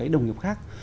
đồng nghiệp khác